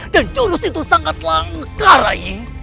dan jurus itu sangat langka rai